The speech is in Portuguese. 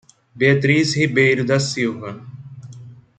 Beatriz Ribeiro da Silva